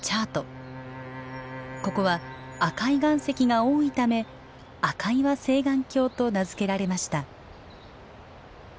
ここは赤い岩石が多いため赤岩青巌峡と名付けられました。